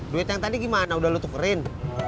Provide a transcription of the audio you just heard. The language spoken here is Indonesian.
duit yang tadi gimana udah lu tukerin